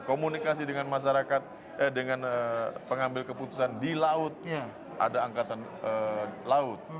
komunikasi dengan masyarakat dengan pengambil keputusan di laut ada angkatan laut